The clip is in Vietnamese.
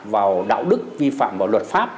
vào đạo đức vi phạm vào luật pháp